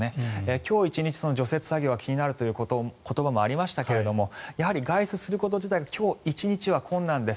今日一日、除雪作業が気になるという言葉もありますがやはり外出すること自体が今日１日は困難です。